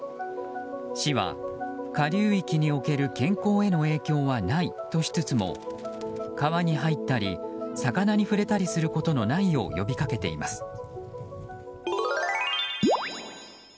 市は、下流域における健康への影響はないとしつつも川に入ったり魚に触れたりすることのないよう呼びかけています。